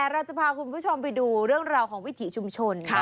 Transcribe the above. เราจะพาคุณผู้ชมไปดูเรื่องราวของวิถีชุมชน